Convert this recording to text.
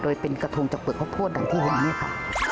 โดยเป็นกระทงจากเปลือกข้าวโพดอย่างที่เห็นเนี่ยค่ะ